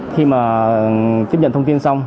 khi mà tiếp nhận thông tin xong